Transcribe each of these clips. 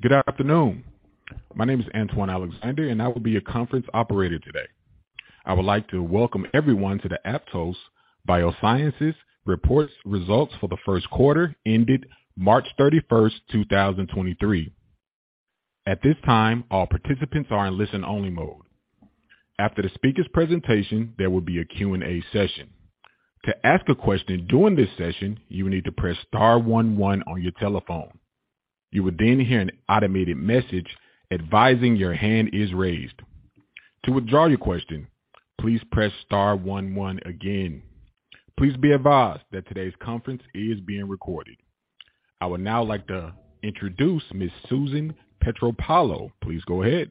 Good afternoon. My name is Antoine Alexander. I will be your conference operator today. I would like to welcome everyone to the Aptose Biosciences reports results for the first quarter ended March 31, 2023. At this time, all participants are in listen-only mode. After the speaker's presentation, there will be a Q&A session. To ask a question during this session, you will need to press star one one on your telephone. You will hear an automated message advising your hand is raised. To withdraw your question, please press star one one again. Please be advised that today's conference is being recorded. I would now like to introduce Ms. Susan Pietropaolo. Please go ahead.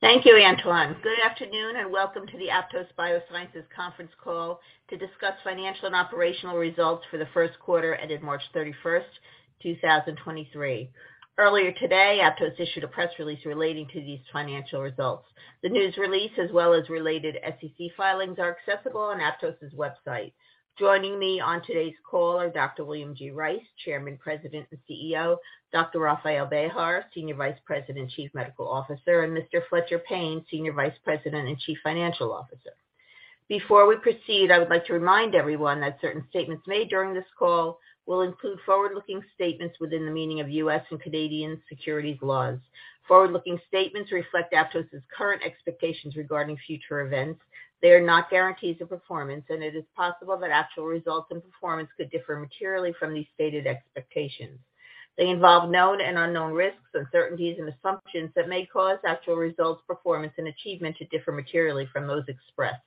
Thank you, Antoine. Good afternoon, welcome to the Aptose Biosciences conference call to discuss financial and operational results for the first quarter ended March 31, 2023. Earlier today, Aptose issued a press release relating to these financial results. The news release, as well as related SEC filings, are accessible on Aptose's website. Joining me on today's call are Dr. William G. Rice, Chairman, President, and CEO, Dr. Rafael Bejar, Senior Vice President, Chief Medical Officer, and Mr. Fletcher Payne, Senior Vice President and Chief Financial Officer. Before we proceed, I would like to remind everyone that certain statements made during this call will include forward-looking statements within the meaning of U.S. and Canadian securities laws. Forward-looking statements reflect Aptose's current expectations regarding future events. They are not guarantees of performance, it is possible that actual results and performance could differ materially from these stated expectations. They involve known and unknown risks, uncertainties, and assumptions that may cause actual results, performance, and achievement to differ materially from those expressed.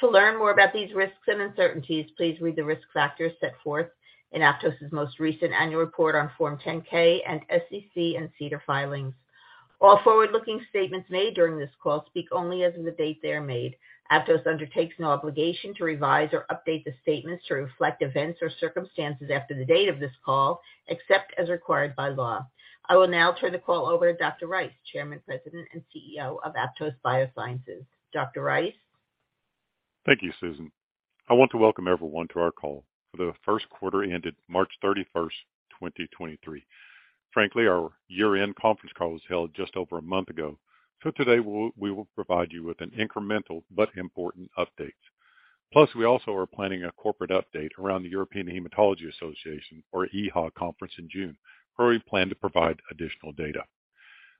To learn more about these risks and uncertainties, please read the risk factors set forth in Aptose's most recent annual report on Form 10-K and SEC and SEDAR filings. All forward-looking statements made during this call speak only as of the date they are made. Aptose undertakes no obligation to revise or update the statements to reflect events or circumstances after the date of this call, except as required by law. I will now turn the call over to Dr. Rice, Chairman, President, and CEO of Aptose Biosciences. Dr. Rice. Thank you, Susan. I want to welcome everyone to our call for the first quarter ended March 31, 2023. Frankly, our year-end conference call was held just over a month ago, today we will provide you with an incremental but important update. We also are planning a corporate update around the European Hematology Association, or EHA, conference in June, where we plan to provide additional data.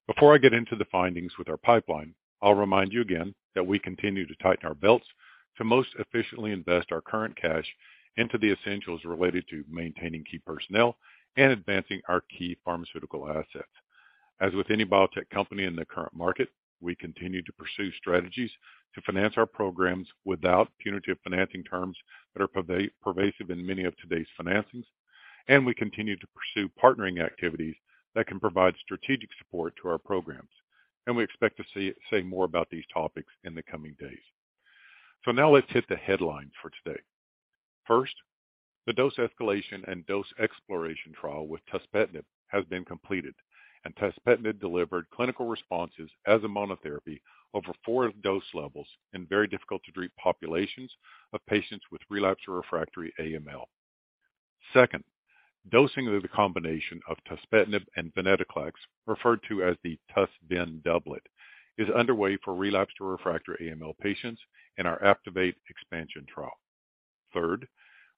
Before I get into the findings with our pipeline, I'll remind you again that we continue to tighten our belts to most efficiently invest our current cash into the essentials related to maintaining key personnel and advancing our key pharmaceutical assets. As with any biotech company in the current market, we continue to pursue strategies to finance our programs without punitive financing terms that are pervasive in many of today's financings. We continue to pursue partnering activities that can provide strategic support to our programs. We expect to say more about these topics in the coming days. Now let's hit the headlines for today. First, the dose escalation and dose exploration trial with tuspetinib has been completed, and tuspetinib delivered clinical responses as a monotherapy over four dose levels in very difficult to treat populations of patients with relapsed or refractory AML. Second, dosing of the combination of tuspetinib and venetoclax, referred to as the TASP-VEN doublet, is underway for relapsed or refractory AML patients in our APTIVATE expansion trial. Third,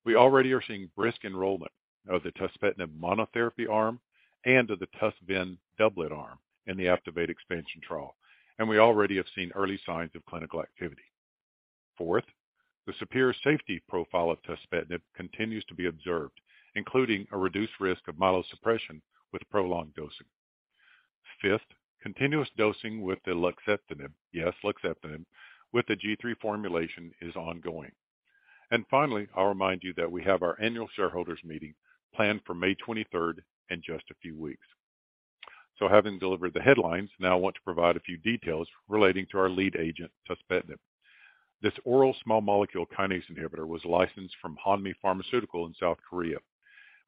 we already are seeing brisk enrollment of the tuspetinib monotherapy arm and of the TASP-VEN doublet arm in the APTIVATE expansion trial, and we already have seen early signs of clinical activity. Fourth, the superior safety profile of tuspetinib continues to be observed, including a reduced risk of myelosuppression with prolonged dosing. Fifth, continuous dosing with the luxeptinib, yes, luxeptinib, with the G3 formulation is ongoing. Finally, I'll remind you that we have our annual shareholders meeting planned for May 23rd in just a few weeks. Having delivered the headlines, now I want to provide a few details relating to our lead agent, tuspetinib. This oral small molecule kinase inhibitor was licensed from Hanmi Pharmaceutical in South Korea.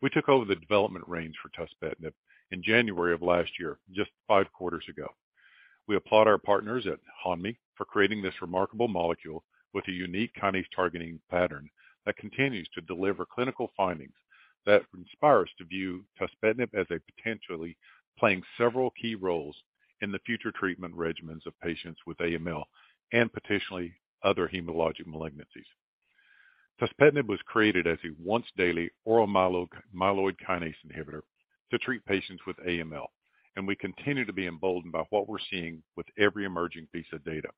We took over the development reins for tuspetinib in January of last year, just five quarters ago. We applaud our partners at Hanmi for creating this remarkable molecule with a unique kinase targeting pattern that continues to deliver clinical findings that inspire us to view tuspetinib as a potentially playing several key roles in the future treatment regimens of patients with AML and potentially other hematologic malignancies. We continue to be emboldened by what we're seeing with every emerging piece of data.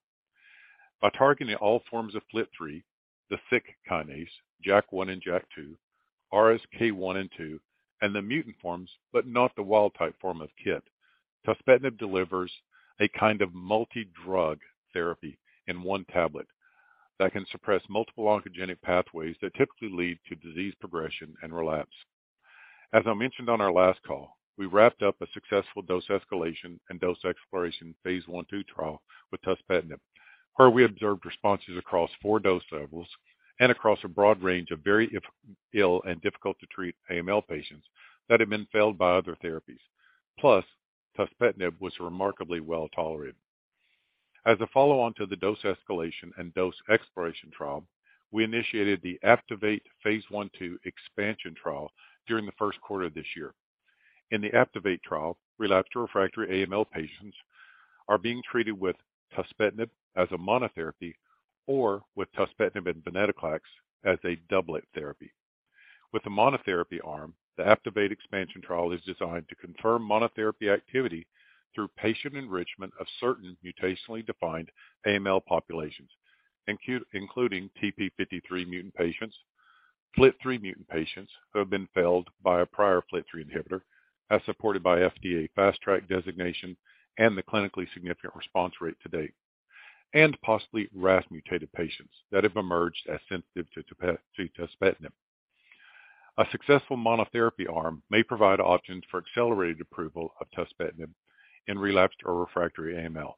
By targeting all forms of FLT3, the SYK kinase, JAK1 and JAK2, RSK 1 and 2, and the mutant forms, but not the wild type form of KIT, tuspetinib delivers a kind of multi-drug therapy in one tablet that can suppress multiple oncogenic pathways that typically lead to disease progression and relapse. As I mentioned on our last call, we wrapped up a successful dose escalation and dose phase I/II trial with tuspetinib, where we observed responses across four dose levels and across a broad range of very ill and difficult to treat AML patients that had been failed by other therapies. Plus, tuspetinib was remarkably well tolerated. As a follow on to the dose escalation and dose exploration trial, we initiated the APTIVATE phase I/II expansion trial during the first quarter of this year. In the APTIVATE trial, relapsed refractory AML patients are being treated with tuspetinib as a monotherapy or with tuspetinib and venetoclax as a doublet therapy. With the monotherapy arm, the APTIVATE expansion trial is designed to confirm monotherapy activity through patient enrichment of certain mutationally defined AML populations, including TP53 mutant patients, FLT3 mutant patients who have been failed by a prior FLT3 inhibitor as supported by FDA Fast Track designation and the clinically significant response rate to date, and possibly RAS mutated patients that have emerged as sensitive to tuspetinib. A successful monotherapy arm may provide options for accelerated approval of tuspetinib in relapsed or refractory AML.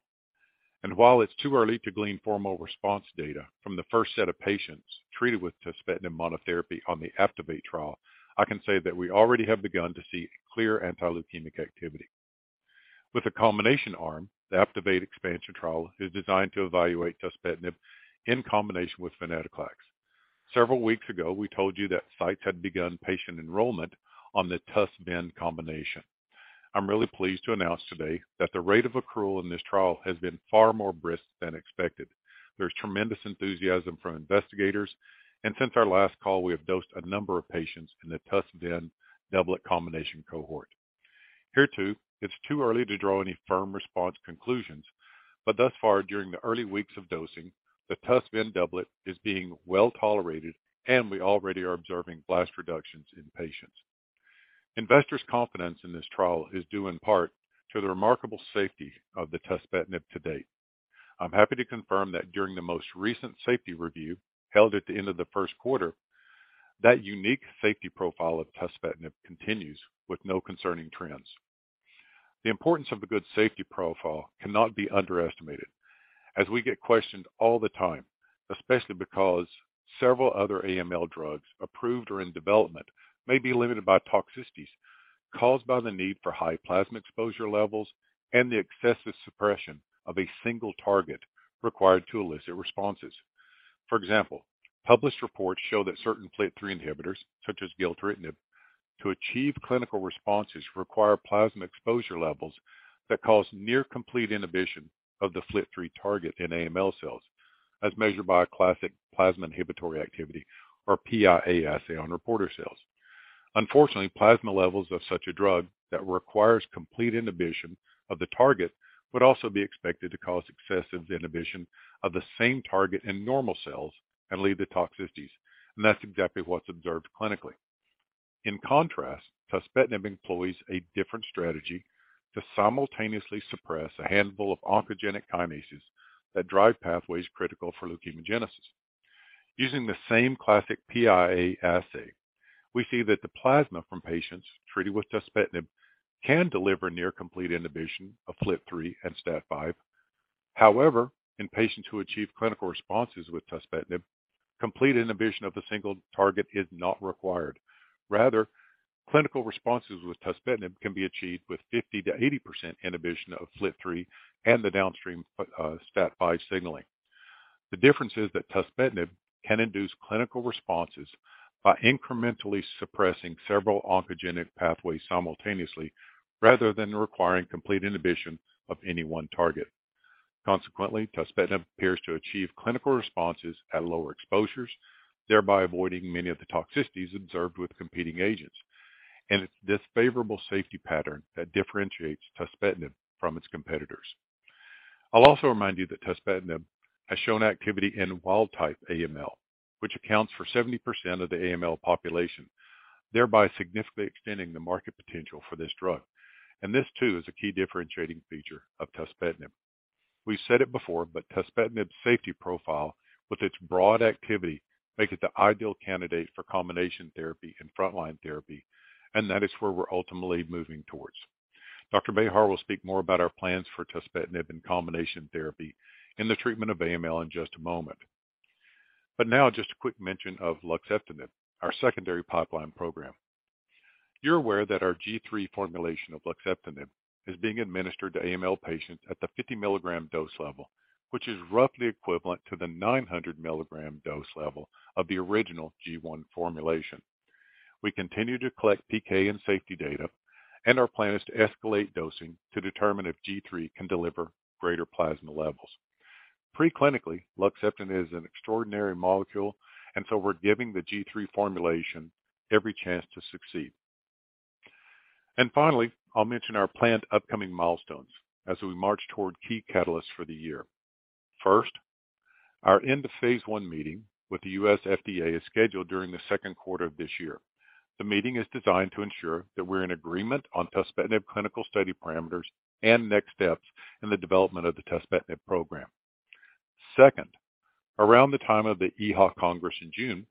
While it's too early to glean formal response data from the first set of patients treated with tuspetinib monotherapy on the APTIVATE trial, I can say that we already have begun to see clear anti-leukemic activity. With the combination arm, the APTIVATE expansion trial is designed to evaluate tuspetinib in combination with venetoclax. Several weeks ago, we told you that sites had begun patient enrollment on the TUS/VEN combination. I'm really pleased to announce today that the rate of accrual in this trial has been far more brisk than expected. There's tremendous enthusiasm from investigators, and since our last call, we have dosed a number of patients in the TUS/VEN doublet combination cohort. Hereto, it's too early to draw any firm response conclusions, but thus far during the early weeks of dosing, the TUS/VEN doublet is being well-tolerated, and we already are observing blast reductions in patients. Investors' confidence in this trial is due in part to the remarkable safety of the tuspetinib to date. I'm happy to confirm that during the most recent safety review held at the end of the first quarter, that unique safety profile of tuspetinib continues with no concerning trends. The importance of a good safety profile cannot be underestimated, as we get questioned all the time, especially because several other AML drugs approved or in development may be limited by toxicities caused by the need for high plasma exposure levels and the excessive suppression of a single target required to elicit responses. For example, published reports show that certain FLT3 inhibitors, such as gilteritinib, to achieve clinical responses require plasma exposure levels that cause near complete inhibition of the FLT3 target in AML cells, as measured by a classic plasma inhibitory activity or PIA assay on reporter cells. Unfortunately, plasma levels of such a drug that requires complete inhibition of the target would also be expected to cause excessive inhibition of the same target in normal cells and lead to toxicities, and that's exactly what's observed clinically. In contrast, tuspetinib employs a different strategy to simultaneously suppress a handful of oncogenic kinases that drive pathways critical for leukemogenesis. Using the same classic PIA assay, we see that the plasma from patients treated with tuspetinib can deliver near complete inhibition of FLT3 and STAT5. However, in patients who achieve clinical responses with tuspetinib, complete inhibition of a single target is not required. Rather, clinical responses with tuspetinib can be achieved with 50% to 80% inhibition of FLT3 and the downstream STAT5 signaling. The difference is that tuspetinib can induce clinical responses by incrementally suppressing several oncogenic pathways simultaneously, rather than requiring complete inhibition of any one target. Consequently, tuspetinib appears to achieve clinical responses at lower exposures, thereby avoiding many of the toxicities observed with competing agents. It's this favorable safety pattern that differentiates tuspetinib from its competitors. I'll also remind you that tuspetinib has shown activity in wild type AML, which accounts for 70% of the AML population, thereby significantly extending the market potential for this drug. This too is a key differentiating feature of tuspetinib. We've said it before, but tuspetinib's safety profile with its broad activity makes it the ideal candidate for combination therapy and frontline therapy, and that is where we're ultimately moving towards. Dr. Bejar will speak more about our plans for tuspetinib in combination therapy in the treatment of AML in just a moment. Now just a quick mention of luxeptinib, our secondary pipeline program. You're aware that our G3 formulation of luxeptinib is being administered to AML patients at the 50 mg dose level, which is roughly equivalent to the 900-milligram dose level of the original G1 formulation. We continue to collect PK and safety data. Our plan is to escalate dosing to determine if G3 can deliver greater plasma levels. Pre-clinically, luxeptinib is an extraordinary molecule. We're giving the G3 formulation every chance to succeed. Finally, I'll mention our planned upcoming milestones as we march toward key catalysts for the year. Our end of phase I meeting with the U.S. FDA is scheduled during the second quarter of this year. The meeting is designed to ensure that we're in agreement on tuspetinib clinical study parameters and next steps in the development of the tuspetinib program. Around the time of the EHA Congress in June,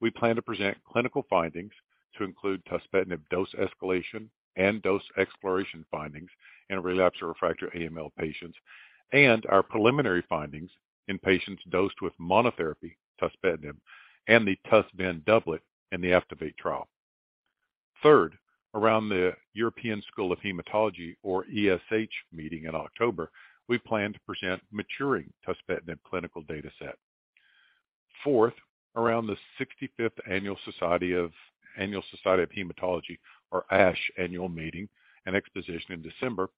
we plan to present clinical findings to include tuspetinib dose escalation and dose exploration findings in relapsed or refractory AML patients and our preliminary findings in patients dosed with monotherapy tuspetinib and the TUS/VEN doublet in the APTIVATE trial. Around the European School of Haematology or ESH meeting in October, we plan to present maturing tuspetinib clinical data set. Around the 65th Annual Society of Hematology or ASH Annual Meeting and exposition in December,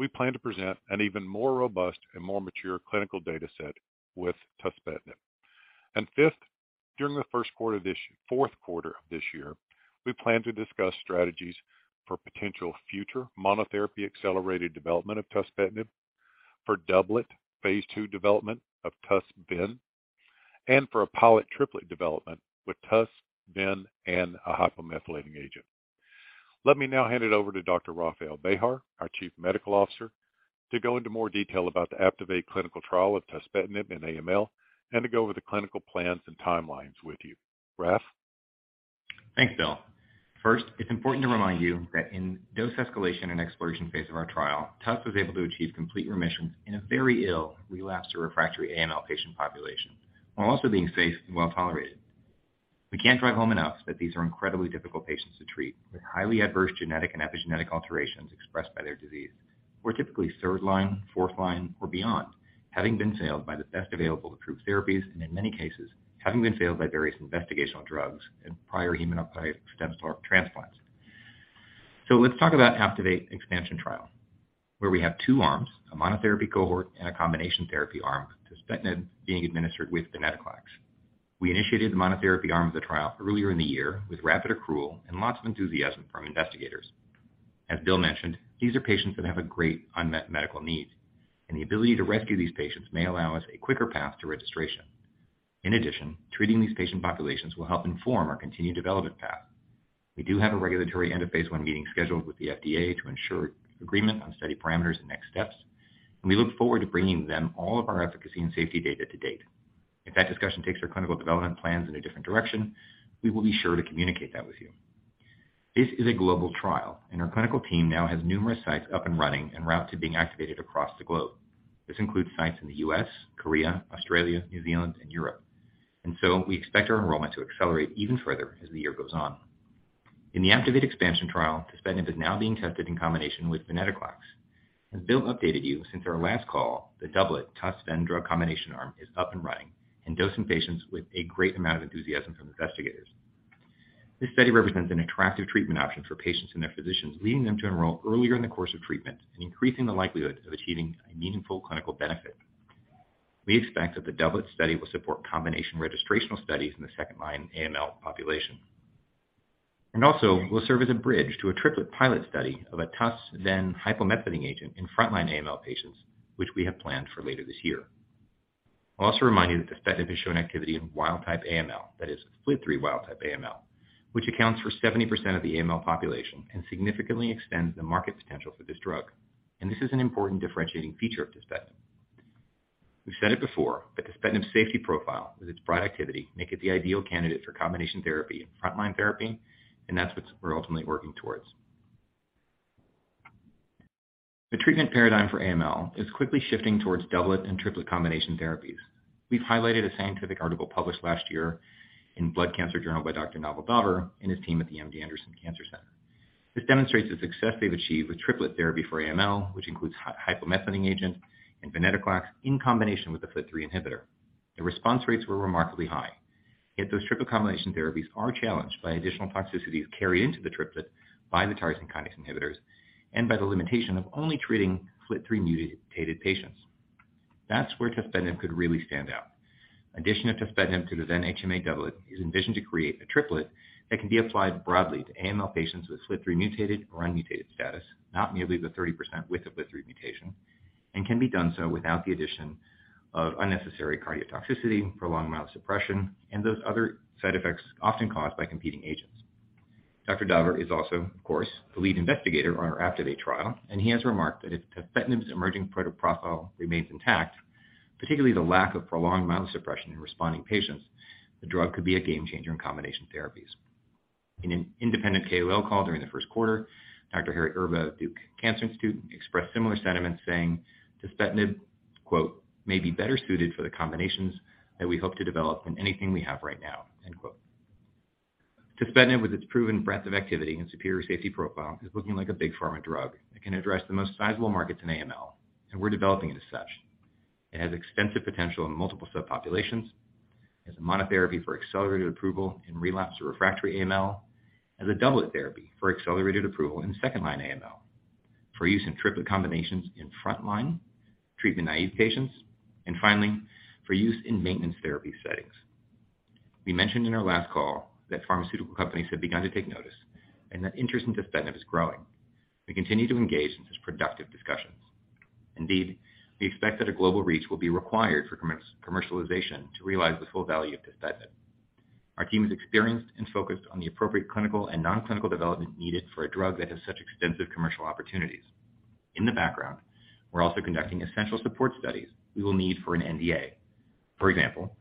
we plan to present an even more robust and more mature clinical data set with tuspetinib. During the fourth quarter of this year, we plan to discuss strategies for potential future monotherapy accelerated development of tuspetinib for doublet phase II development of TUS/VEN, and for a pilot triplet development with TUS/VEN and a hypomethylating agent. Let me now hand it over to Dr. Rafael Bejar, our Chief Medical Officer, to go into more detail about the ACTIVATE clinical trial with tuspetinib and AML and to go over the clinical plans and timelines with you. Raf? Thanks, Bill. First, it's important to remind you that in dose escalation and exploration phase of our trial, TUS was able to achieve complete remissions in a very ill relapsed or refractory AML patient population while also being safe and well-tolerated. We can't drive home enough that these are incredibly difficult patients to treat with highly adverse genetic and epigenetic alterations expressed by their disease. We're typically third line, fourth line or beyond, having been failed by the best available approved therapies and in many cases having been failed by various investigational drugs and prior hematopoietic stem cell transplants. Let's talk about APTIVATE expansion trial, where we have two arms, a monotherapy cohort and a combination therapy arm, tuspetinib being administered with venetoclax. We initiated the monotherapy arm of the trial earlier in the year with rapid accrual and lots of enthusiasm from investigators. As Bill mentioned, these are patients that have a great unmet medical need, the ability to rescue these patients may allow us a quicker path to registration. In addition, treating these patient populations will help inform our continued development path. We do have a regulatory end of phase I meeting scheduled with the FDA to ensure agreement on study parameters and next steps, we look forward to bringing them all of our efficacy and safety data to date. If that discussion takes our clinical development plans in a different direction, we will be sure to communicate that with you. This is a global trial, our clinical team now has numerous sites up and running en route to being activated across the globe. This includes sites in the U.S., Korea, Australia, New Zealand and Europe. We expect our enrollment to accelerate even further as the year goes on. In the APTIVATE expansion trial, tuspetinib is now being tested in combination with venetoclax. As Bill updated you since our last call, the doublet TUS/VEN drug combination arm is up and running and dosing patients with a great amount of enthusiasm from investigators. This study represents an attractive treatment option for patients and their physicians, leading them to enroll earlier in the course of treatment and increasing the likelihood of achieving a meaningful clinical benefit. We expect that the doublet study will support combination registrational studies in the second-line AML population. Also will serve as a bridge to a triplet pilot study of a TUS/VEN hypomethylating agent in front-line AML patients, which we have planned for later this year. I'll also remind you that tuspetinib has shown activity in wild type AML, that is FLT3 wild type AML, which accounts for 70% of the AML population and significantly extends the market potential for this drug. This is an important differentiating feature of tuspetinib. We've said it before, but tuspetinib's safety profile with its broad activity make it the ideal candidate for combination therapy and front-line therapy, and that's what we're ultimately working towards. The treatment paradigm for AML is quickly shifting towards doublet and triplet combination therapies. We've highlighted a scientific article published last year in Blood Cancer Journal by Dr. Naval Daver and his team at the MD Anderson Cancer Center. This demonstrates the success they've achieved with triplet therapy for AML, which includes hypomethylating agent and venetoclax in combination with the FLT3 inhibitor. The response rates were remarkably high. Those triplet combination therapies are challenged by additional toxicities carried into the triplet by the tyrosine kinase inhibitors and by the limitation of only treating FLT3-mutated patients. That's where tuspetinib could really stand out. Addition of tuspetinib to the VEN HMA doublet is envisioned to create a triplet that can be applied broadly to AML patients with FLT3 mutated or unmutated status, not merely the 30% with a FLT3 mutation, and can be done so without the addition of unnecessary cardiotoxicity, prolonged myelosuppression, and those other side effects often caused by competing agents. Dr. Daver is also, of course, the lead investigator on our APTIVATE trial, and he has remarked that if tuspetinib's emerging profile remains intact, particularly the lack of prolonged myelosuppression in responding patients, the drug could be a game changer in combination therapies. In an independent KOL call during the first quarter, Dr. Harry Erba of Duke Cancer Institute expressed similar sentiments, saying tuspetinib "may be better suited for the combinations that we hope to develop than anything we have right now." Tuspetinib, with its proven breadth of activity and superior safety profile, is looking like a big pharma drug that can address the most sizable markets in AML, and we're developing it as such. It has extensive potential in multiple subpopulations as a monotherapy for accelerated approval in relapsed or refractory AML, as a doublet therapy for accelerated approval in second-line AML, for use in triplet combinations in front-line treatment-naïve patients, and finally, for use in maintenance therapy settings. We mentioned in our last call that pharmaceutical companies have begun to take notice and that interest in tuspetinib is growing. We continue to engage in these productive discussions. Indeed, we expect that a global reach will be required for commercialization to realize the full value of tuspetinib. Our team is experienced and focused on the appropriate clinical and non-clinical development needed for a drug that has such extensive commercial opportunities. In the background, we're also conducting essential support studies we will need for an NDA. For example,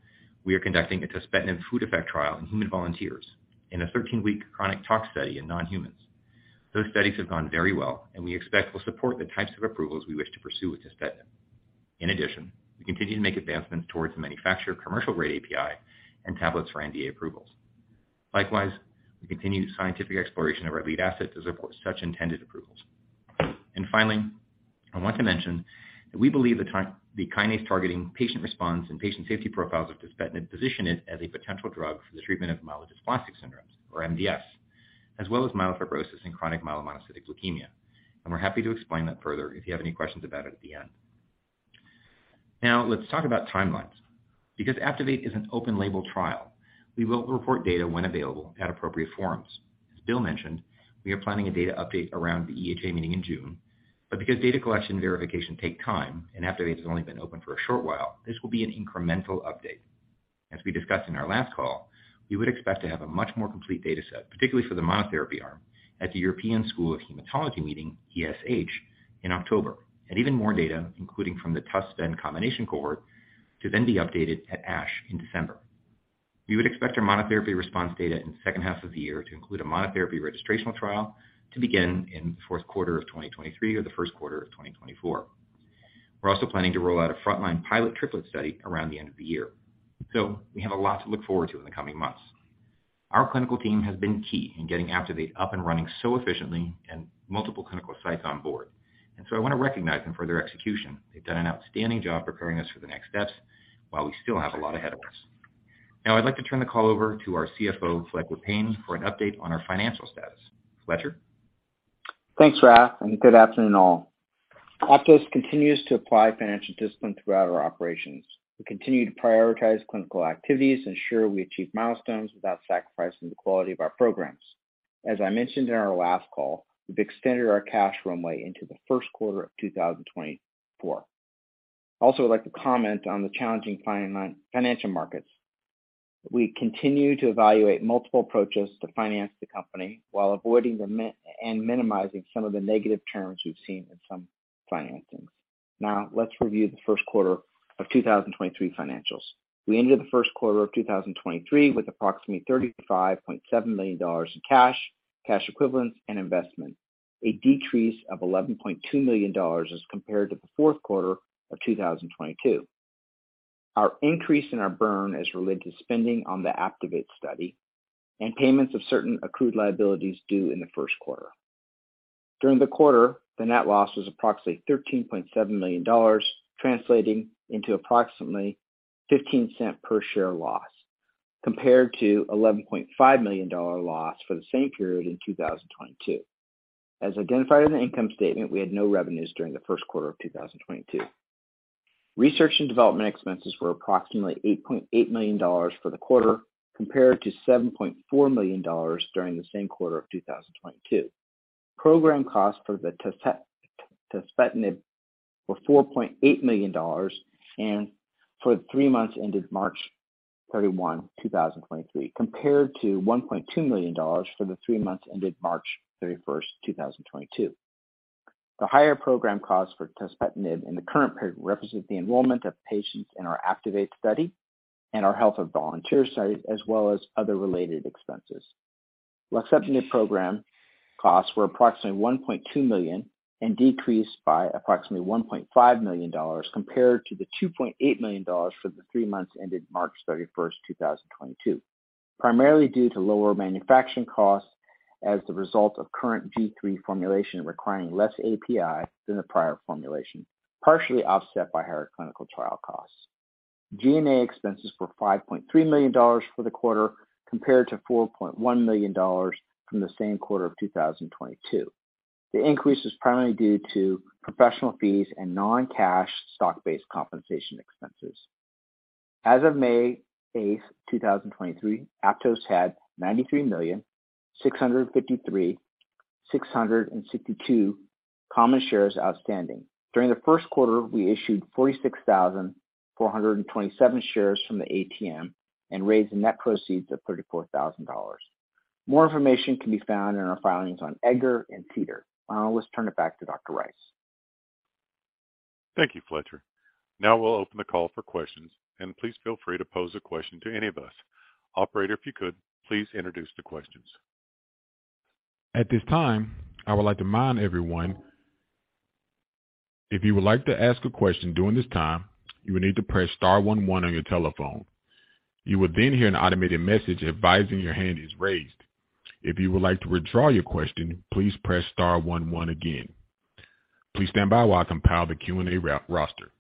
we are conducting a tuspetinib food effect trial in human volunteers and a thirteen-week chronic tox study in non-humans. Those studies have gone very well and we expect will support the types of approvals we wish to pursue with tuspetinib. In addition, we continue to make advancements towards the manufacture of commercial-grade API and tablets for NDA approvals. Likewise, we continue scientific exploration of our lead assets to support such intended approvals. Finally, I want to mention that we believe the time the kinase targeting patient response and patient safety profiles of tuspetinib position it as a potential drug for the treatment of myelodysplastic syndromes, or MDS, as well as myelofibrosis and chronic myelomonocytic leukemia. We're happy to explain that further if you have any questions about it at the end. Now let's talk about timelines. Because APTIVATE is an open label trial, we will report data when available at appropriate forums. As Bill mentioned, we are planning a data update around the EHA meeting in June, but because data collection verification take time and APTIVATE has only been open for a short while, this will be an incremental update. As we discussed in our last call, we would expect to have a much more complete data set, particularly for the monotherapy arm at the European School of Haematology Meeting, ESH, in October, and even more data including from the tuspetinib combination cohort to be updated at ASH in December. We would expect our monotherapy response data in second half of the year to include a monotherapy registrational trial to begin in fourth quarter of 2023 or the first quarter of 2024. We're also planning to roll out a frontline pilot triplet study around the end of the year. We have a lot to look forward to in the coming months. Our clinical team has been key in getting APTIVATE up and running so efficiently and multiple clinical sites on board. I want to recognize them for their execution. They've done an outstanding job preparing us for the next steps while we still have a lot ahead of us. I'd like to turn the call over to our CFO, Fletcher Payne, for an update on our financial status. Fletcher? Thanks, Raf. Good afternoon all. Aptose continues to apply financial discipline throughout our operations. We continue to prioritize clinical activities, ensure we achieve milestones without sacrificing the quality of our programs. As I mentioned in our last call, we've extended our cash runway into the first quarter of 2024. I'd like to comment on the challenging financial markets. We continue to evaluate multiple approaches to finance the company while avoiding and minimizing some of the negative terms we've seen in some financings. Let's review the first quarter of 2023 financials. We ended the first quarter of 2023 with approximately $35.7 million in cash equivalents and investments, a decrease of $11.2 million as compared to the fourth quarter of 2022. Our increase in our burn is related to spending on the APTIVATE study and payments of certain accrued liabilities due in the first quarter. During the quarter, the net loss was approximately $13.7 million, translating into approximately $0.15 per share loss, compared to $11.5 million loss for the same period in 2022. As identified in the income statement, we had no revenues during the first quarter of 2022. Research and development expenses were approximately $8.8 million for the quarter, compared to $7.4 million during the same quarter of 2022. Program costs for the tuspetinib were $4.8 million and for the three months ended March 31, 2023, compared to $1.2 million for the three months ended March 31st, 2022. The higher program costs for tuspetinib in the current period represent the enrollment of patients in our APTIVATE study and our health of volunteer site as well as other related expenses. Luxeptinib program costs were approximately $1.2 million and decreased by approximately $1.5 million compared to the $2.8 million for the three months ended March 31, 2022, primarily due to lower manufacturing costs as the result of current G3 formulation requiring less API than the prior formulation, partially offset by higher clinical trial costs. G&A expenses were $5.3 million for the quarter, compared to $4.1 million from the same quarter of 2022. The increase is primarily due to professional fees and non-cash stock-based compensation expenses. As of May 8, 2023, Aptose had 93,653,662 common shares outstanding. During the first quarter, we issued 46,427 shares from the ATM and raised net proceeds of $34,000. More information can be found in our filings on EDGAR and SEDAR. Let's turn it back to Dr. Rice. Thank you, Fletcher. Now we'll open the call for questions. Please feel free to pose a question to any of us. Operator, if you could, please introduce the questions. At this time, I would like to remind everyone, if you would like to ask a question during this time, you will need to press star one one on your telephone. You will then hear an automated message advising your hand is raised. If you would like to withdraw your question, please press star one one again. Please stand by while I compile the Q&A roster.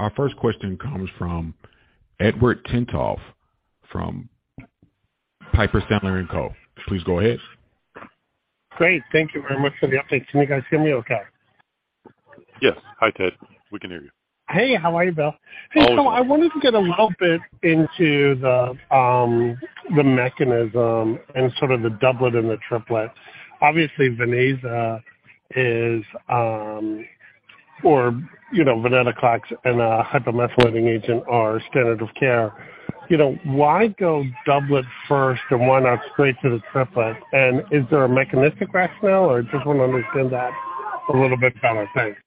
Our first question comes from Edward Tenthoff from Piper Sandler & Co. Please go ahead. Great. Thank you very much for the update. Can you guys hear me okay? Yes. Hi, Ed. We can hear you. Hey, how are you, Bill? How are you? I wanted to get a little bit into the mechanism and sort of the doublet and the triplet. Obviously, venetoclax is, or, you know, venetoclax and a hypomethylating agent are standard of care. You know, why go doublet first and why not straight to the triplet? Is there a mechanistic rationale or just wanna understand that a little bit better? Thanks.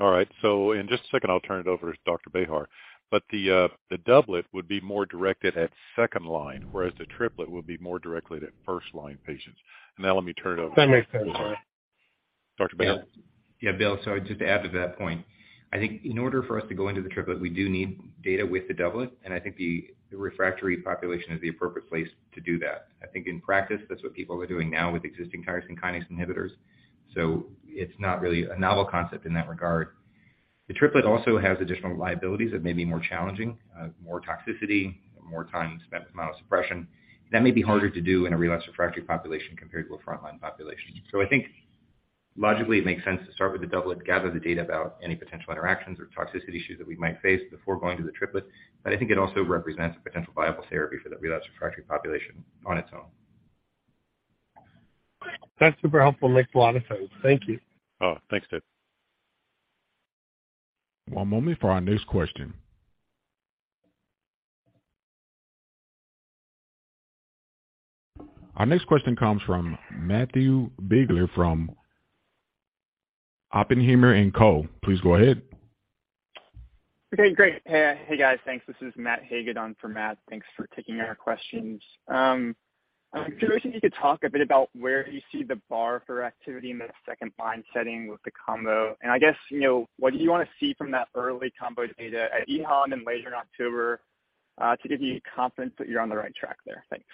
All right. In just a second, I'll turn it over to Dr. Bejar. The doublet would be more directed at second line, whereas the triplet would be more directly to first line patients. Let me turn it over. That makes sense. Sorry. Dr. Bejar. Bill, just to add to that point, I think in order for us to go into the triplet, we do need data with the doublet, and I think the refractory population is the appropriate place to do that. I think in practice, that's what people are doing now with existing tyrosine kinase inhibitors, so it's not really a novel concept in that regard. The triplet also has additional liabilities that may be more challenging, more toxicity, more time spent amount of suppression. That may be harder to do in a relapsed refractory population compared to a front-line population. I think logically it makes sense to start with the doublet, gather the data about any potential interactions or toxicity issues that we might face before going to the triplet. I think it also represents a potential viable therapy for the relapsed refractory population on its own. That's super helpful. Makes a lot of sense. Thank you. Oh, thanks, Ed. One moment for our next question. Our next question comes from Matthew Biegler from Oppenheimer & Co. Please go ahead. Okay, great. Hey, guys. Thanks. This is Matt Hagen on for Matt. Thanks for taking our questions. I was curious if you could talk a bit about where you see the bar for activity in the second line setting with the combo. I guess, you know, what do you wanna see from that early combo data at EHA and later in October, to give you confidence that you're on the right track there? Thanks.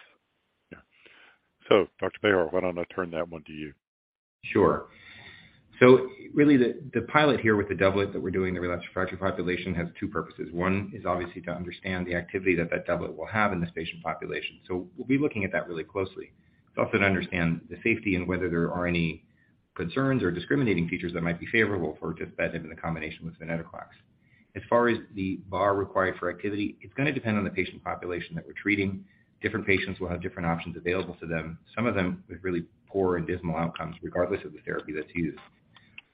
Yeah. Dr. Bejar, why don't I turn that one to you? Sure. Really the pilot here with the doublet that we're doing in the relapsed refractory population has two purposes. One is obviously to understand the activity that that doublet will have in this patient population. We'll be looking at that really closely. It's also to understand the safety and whether there are any concerns or discriminating features that might be favorable for tuspetinib in the combination with venetoclax. As far as the bar required for activity, it's gonna depend on the patient population that we're treating. Different patients will have different options available to them. Some of them with really poor and dismal outcomes, regardless of the therapy that's used.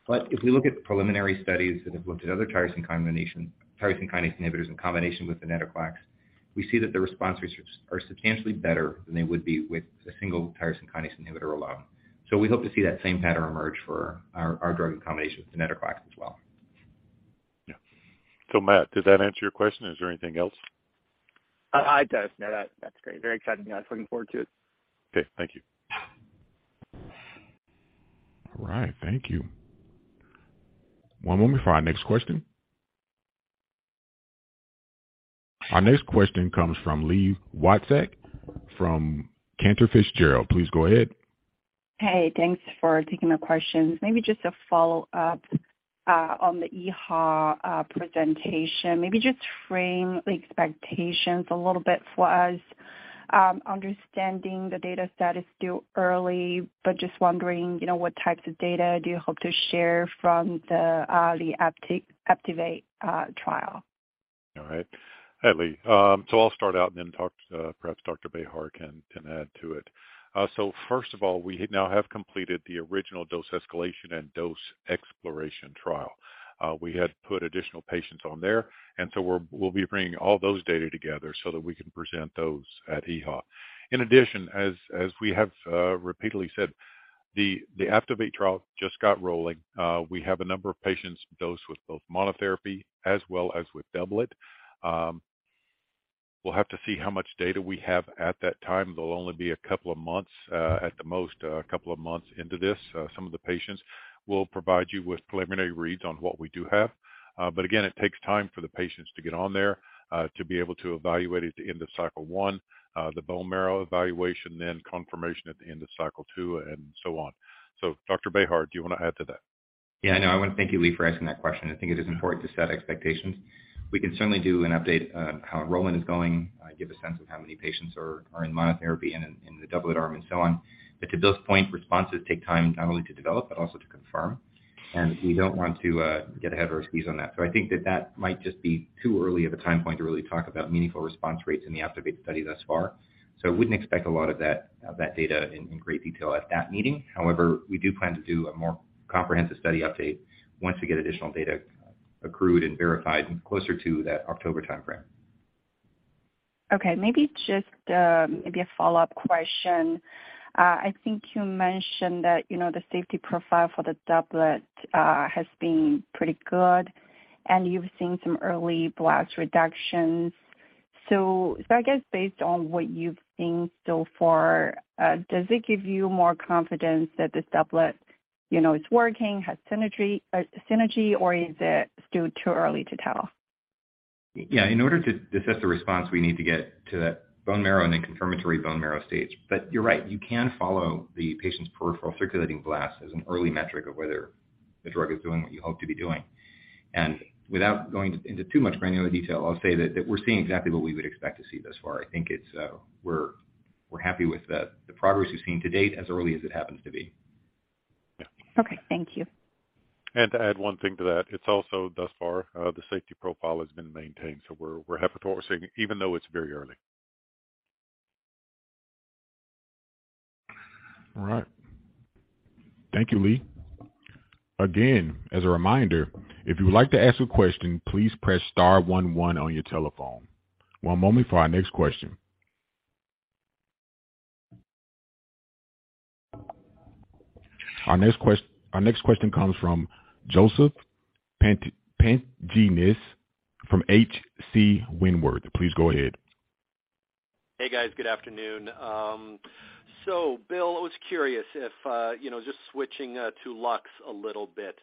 If we look at the preliminary studies that have looked at other tyrosine combination, tyrosine kinase inhibitors in combination with venetoclax, we see that the response rates are substantially better than they would be with a single tyrosine kinase inhibitor alone. We hope to see that same pattern emerge for our drug combination with venetoclax as well. Yeah. Matt, does that answer your question? Is there anything else? It does. No, that's great. Very exciting. Yeah, I was looking forward to it. Okay. Thank you. All right. Thank you. One moment for our next question. Our next question comes from Li Watsek from Cantor Fitzgerald. Please go ahead. Hey, thanks for taking the questions. Maybe just a follow-up on the EHA presentation. Maybe just frame the expectations a little bit for us, understanding the data set is still early, but just wondering, you know, what types of data do you hope to share from the APTIVATE trial? All right. Hi, Li. I'll start out and then perhaps Dr. Bejar can add to it. First of all, we now have completed the original dose escalation and dose exploration trial. We had put additional patients on there, we'll be bringing all those data together so that we can present those at EHA. In addition, as we have repeatedly said, the APTIVATE trial just got rolling. We have a number of patients dosed with both monotherapy as well as with doublet. We'll have to see how much data we have at that time. There'll only be a couple of months at the most into this. Some of the patients. We'll provide you with preliminary reads on what we do have. Again, it takes time for the patients to get on there, to be able to evaluate it in the cycle 1, the bone marrow evaluation, then confirmation at the end of cycle two and so on. Dr. Bejar, do you wanna add to that? No, I wanna thank you, Li, for asking that question. I think it is important to set expectations. We can certainly do an update on how enrollment is going, give a sense of how many patients are in monotherapy and in the doublet arm and so on. To Bill's point, responses take time not only to develop but also to confirm, and we don't want to get ahead of our skis on that. I think that might just be too early of a time point to really talk about meaningful response rates in the APTIVATE study thus far. Wouldn't expect a lot of that data in great detail at that meeting. However, we do plan to do a more comprehensive study update once we get additional data accrued and verified closer to that October timeframe. Okay. Maybe just, maybe a follow-up question. I think you mentioned that, you know, the safety profile for the doublet has been pretty good and you've seen some early blast reductions. I guess based on what you've seen so far, does it give you more confidence that this doublet, you know, it's working, has synergy or is it still too early to tell? In order to assess the response, we need to get to that bone marrow and then confirmatory bone marrow stage. You're right, you can follow the patient's peripheral circulating blast as an early metric of whether the drug is doing what you hope to be doing. Without going into too much granular detail, I'll say that we're seeing exactly what we would expect to see thus far. I think it's, we're happy with the progress we've seen to date as early as it happens to be. Yeah. Okay. Thank you. To add one thing to that. It's also thus far, the safety profile has been maintained, so we're happy with what we're seeing even though it's very early. All right. Thank you, Li. As a reminder, if you would like to ask a question, please press star one one on your telephone. One moment for our next question. Our next question comes from Joseph Pantginis from H.C. Wainwright. Please go ahead. Hey, guys. Good afternoon. Bill, I was curious if, you know, just switching to LUX a little bit,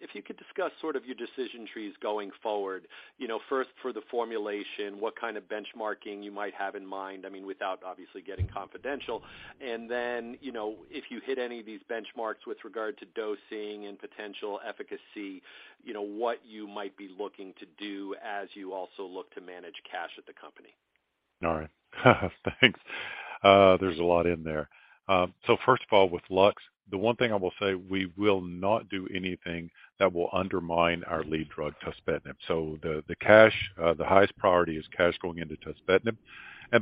if you could discuss sort of your decision trees going forward. You know, first for the formulation, what kind of benchmarking you might have in mind, I mean, without obviously getting confidential. You know, if you hit any of these benchmarks with regard to dosing and potential efficacy, you know, what you might be looking to do as you also look to manage cash at the company. All right. Thanks. There's a lot in there. First of all, with LUX, the one thing I will say, we will not do anything that will undermine our lead drug, tuspetinib. The cash, the highest priority is cash going into tuspetinib.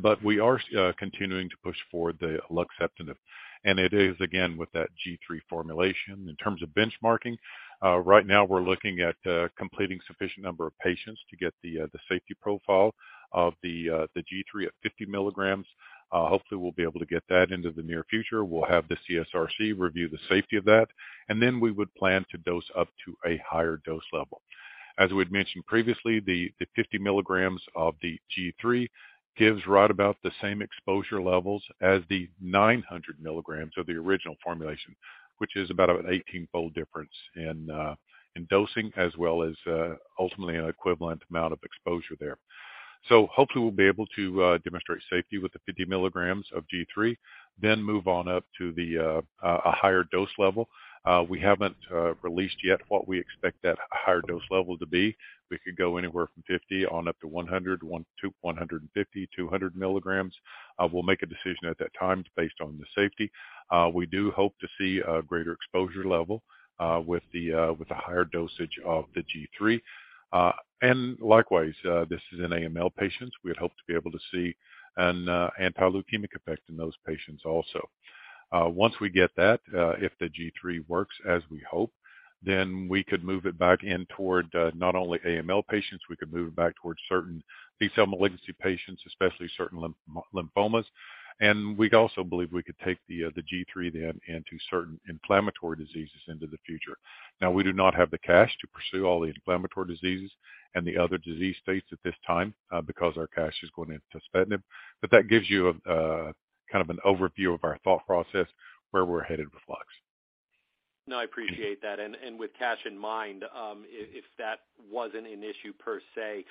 But we are continuing to push forward the luxeptinib. It is again with that G3 formulation. In terms of benchmarking, right now we're looking at completing sufficient number of patients to get the safety profile of the G3 at 50 mg. Hopefully we'll be able to get that into the near future. We'll have the CSRC review the safety of that, and then we would plan to dose up to a higher dose level. As we had mentioned previously, the 50 mg of the G3 gives right about the same exposure levels as the 900 mg of the original formulation, which is about an 18-fold difference in dosing as well as ultimately an equivalent amount of exposure there. Hopefully we'll be able to demonstrate safety with the 50 mg of G3, then move on up to a higher dose level. We haven't released yet what we expect that higher dose level to be. We could go anywhere from 50 mg on up to 100 mg, one to 150 mg, 200 mg. We'll make a decision at that time based on the safety. We do hope to see a greater exposure level with the higher dosage of the G3. Likewise, this is in AML patients. We'd hope to be able to see an anti-leukemic effect in those patients also. Once we get that, if the G3 works as we hope, then we could move it back in toward not only AML patients, we could move it back towards certain B-cell malignancy patients, especially certain lymphomas. We also believe we could take the G3 then into certain inflammatory diseases into the future. Now, we do not have the cash to pursue all the inflammatory diseases and the other disease states at this time, because our cash is going into tuspetinib. That gives you a kind of an overview of our thought process where we're headed with LUX. No, I appreciate that. With cash in mind, if that wasn't an issue per se,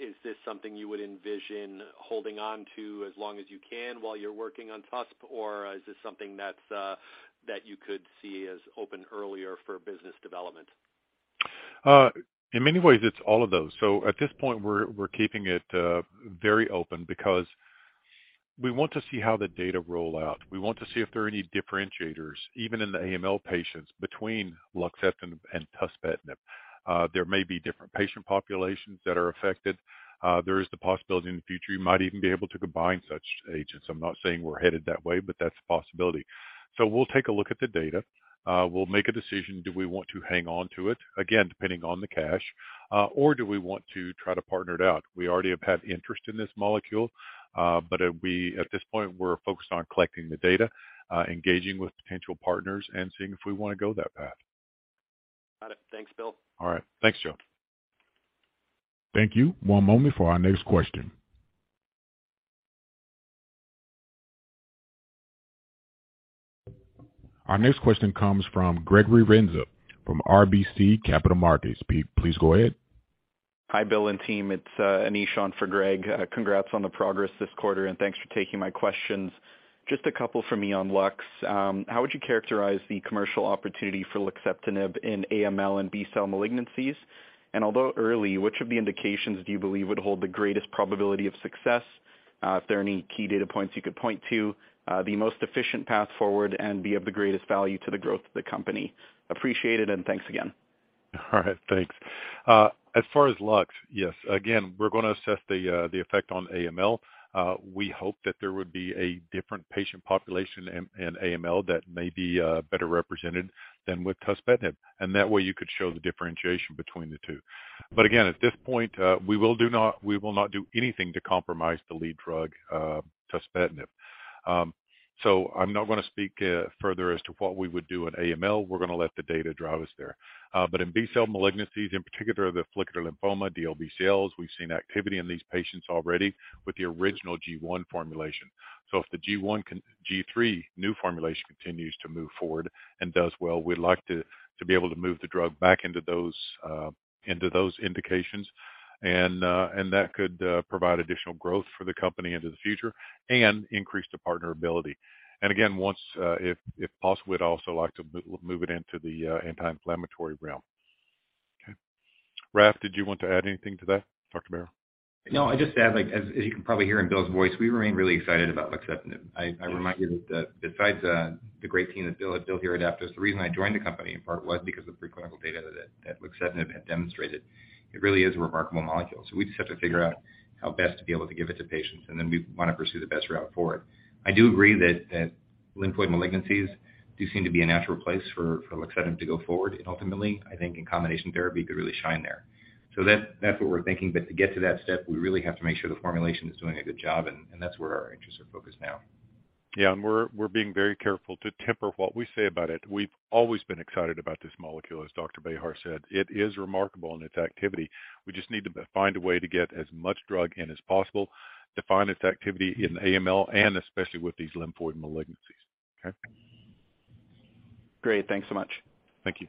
is this something you would envision holding on to as long as you can while you're working on TUSP, or is this something that's, that you could see as open earlier for business development? In many ways, it's all of those. At this point, we're keeping it very open because we want to see how the data roll out. We want to see if there are any differentiators, even in the AML patients between luxeptinib and tuspetinib. There may be different patient populations that are affected. There is the possibility in the future you might even be able to combine such agents. I'm not saying we're headed that way, but that's a possibility. We'll take a look at the data. We'll make a decision, do we want to hang on to it? Again, depending on the cash, or do we want to try to partner it out? We already have had interest in this molecule. We at this point, we're focused on collecting the data, engaging with potential partners and seeing if we wanna go that path. Got it. Thanks, Bill. All right. Thanks, Joe. Thank you. One moment for our next question. Our next question comes from Gregory Renza from RBC Capital Markets. Please go ahead. Hi, Bill and team. It's Anish on for Greg. Congrats on the progress this quarter, and thanks for taking my questions. Just a couple from me on LUX. How would you characterize the commercial opportunity for luxeptinib in AML and B-cell malignancies? Although early, which of the indications do you believe would hold the greatest probability of success? If there are any key data points you could point to, the most efficient path forward and be of the greatest value to the growth of the company? Appreciate it, thanks again. All right. Thanks. As far as LUX, yes. Again, we're gonna assess the effect on AML. We hope that there would be a different patient population in AML that may be better represented than with tuspetinib, and that way you could show the differentiation between the two. Again, at this point, we will not do anything to compromise the lead drug, tuspetinib. I'm not gonna speak further as to what we would do in AML. We're gonna let the data drive us there. In B-cell malignancies, in particular the follicular lymphoma, DLBCLs, we've seen activity in these patients already with the original G1 formulation. If the G1 G3 new formulation continues to move forward and does well, we'd like to be able to move the drug back into those indications, and that could provide additional growth for the company into the future and increase the partner ability. Again, once, if possible, we'd also like to move it into the anti-inflammatory realm. Okay. Raf, did you want to add anything to that, Dr. Bejar? No, I'd just add, like, as you can probably hear in Bill's voice, we remain really excited about luxeptinib. I remind you that besides the great team that Bill here at Aptose, the reason I joined the company in part was because of the preclinical data that luxeptinib had demonstrated. It really is a remarkable molecule, so we just have to figure out how best to be able to give it to patients, and then we wanna pursue the best route forward. I do agree that lymphoid malignancies do seem to be a natural place for luxeptinib to go forward. Ultimately, I think in combination therapy could really shine there. That's what we're thinking. To get to that step, we really have to make sure the formulation is doing a good job, and that's where our interests are focused now. Yeah. We're being very careful to temper what we say about it. We've always been excited about this molecule, as Dr. Bejar said. It is remarkable in its activity. We just need to find a way to get as much drug in as possible, define its activity in AML and especially with these lymphoid malignancies. Okay. Great. Thanks so much. Thank you.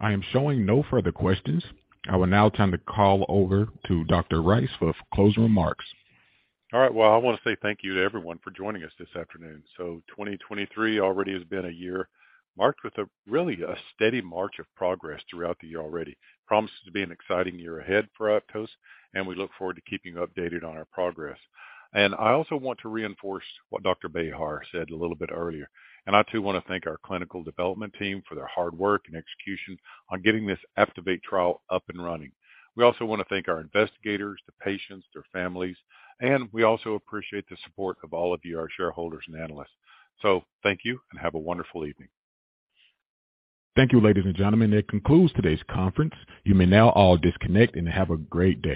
I am showing no further questions. I will now turn the call over to Dr. Rice for closing remarks. Well, I wanna say thank you to everyone for joining us this afternoon. 2023 already has been a year marked with a really a steady march of progress throughout the year already. Promises to be an exciting year ahead for Aptose, we look forward to keeping you updated on our progress. I also want to reinforce what Dr. Bejar said a little bit earlier. I too wanna thank our clinical development team for their hard work and execution on getting this APTIVATE trial up and running. We also wanna thank our investigators, the patients, their families, and we also appreciate the support of all of you, our shareholders and analysts. Thank you and have a wonderful evening. Thank you, ladies and gentlemen. That concludes today's conference. You may now all disconnect and have a great day.